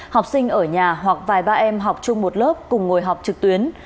học sinh ở nhà hoặc vài ba em học chung một lớp cùng ngồi học trực tuyến